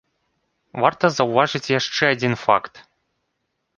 Варта заўважыць яшчэ адзін факт.